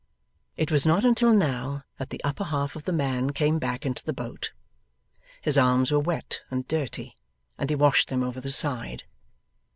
It was not until now that the upper half of the man came back into the boat. His arms were wet and dirty, and he washed them over the side.